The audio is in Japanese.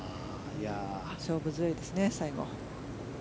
勝負強いですね、最後。